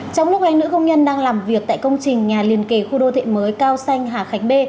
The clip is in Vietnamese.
trong lúc hai nữ công nhân đang làm việc tại công trình nhà liền kề khu đô thị mới cao xanh hà khánh b